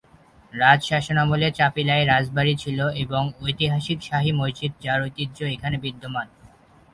রাজ শাসনামলে চাপিলায় রাজবাড়ী ছিল এবং ঐতিহাসিক শাহী মসজিদ যার ঐতিহ্য এখানে বিদ্যমান।